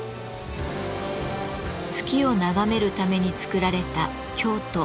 月を眺めるために造られた京都・桂離宮。